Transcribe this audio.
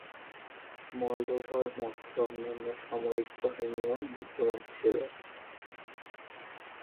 মলদোভার মধ্যে অন্যান্য সামরিক বাহিনীও বিদ্যমান ছিল।